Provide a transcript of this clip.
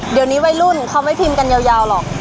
เดี๋ยวนี้วัยรุ่นเขาไม่พิมพ์กันยาวหรอก